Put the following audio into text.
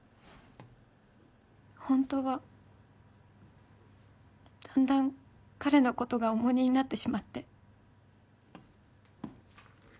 ホントはだんだん彼のことが重荷になってしまって。